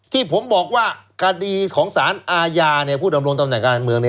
ที่ผมบอกว่าคดีของสารอาญาผู้ดำรงตำแหน่งการเมือง